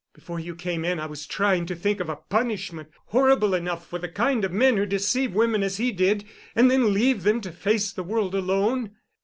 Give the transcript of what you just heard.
Before you came in I was trying to think of a punishment horrible enough for the kind of men who deceive women as he did, and then leave them to face the world alone."